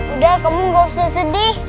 udah kamu gak usah sedih